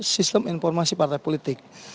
sistem informasi partai politik